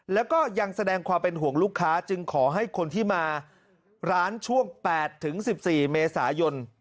แล้วก็ยังแสดงความเป็นห่วงลูกค้าจึงขอให้คนที่มาร้านช่วง๘๑๔เมษายน